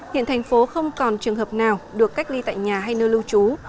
hiện thành phố không còn trường hợp nào được cách ly tại nhà hay nơi lưu trú